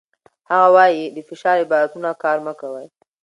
هغه وايي، د فشار عبارتونه کار مه کوئ.